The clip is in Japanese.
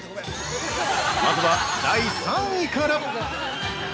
◆まずは第３位から。